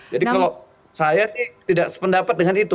jadi kalau saya sih tidak sependapat dengan itu